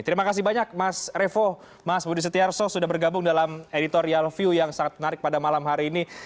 terima kasih banyak mas revo mas budi setiarso sudah bergabung dalam editorial view yang sangat menarik pada malam hari ini